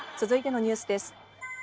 続いてのニュースです。